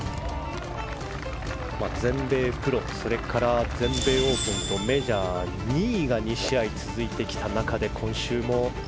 全米プロ、全英オープンとメジャー２位の２試合続いてきた中で、今週も。